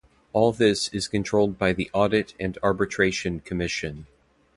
All this is controlled by the Audit and Arbitration Commission.